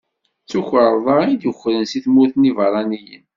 D tukerḍa i yi-d-ukren si tmurt n Iɛebṛaniyen.